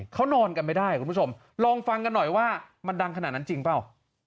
เขานอนกันไม่ได้คุณผู้ชมลองฟังกันหน่อยว่ามันดังขนาดนั้นจริงเปล่า